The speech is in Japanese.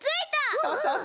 そうそうそう。